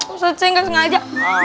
ustaz saya gak sengaja